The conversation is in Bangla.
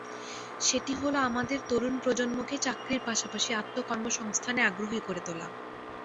সেটি হলো আমাদের তরুণ প্রজন্মকে চাকরির পাশাপাশি আত্মকর্মসংস্থানে আগ্রহী করে তোলা।